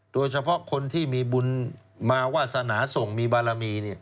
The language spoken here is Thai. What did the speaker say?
โดยเฉพาะคนที่มีบุญมาวาสนาส่งมีบารมี